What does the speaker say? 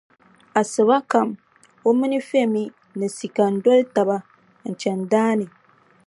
Asiba kam o mini Femi ni Sika n-doli taba n-chani daa ni.